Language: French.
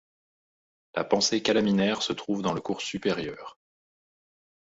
La pensée calaminaire se trouve dans le cours supérieur.